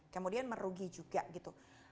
kemudian merugi juga gitu